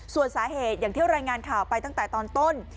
ส่วนสาเหตุอย่างที่รายงานข่าวไปตั้งแต่ตอนต้น